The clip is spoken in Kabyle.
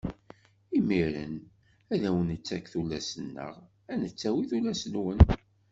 Imiren ad wen-nettak tullas-nneɣ, ad d-nettawi tullas-nwen.